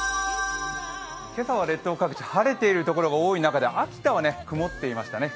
今朝は列島各地、晴れているところが多い中で秋田は曇っていましたね。